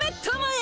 え？